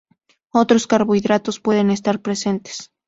Otros carbohidratos pueden estar presentes.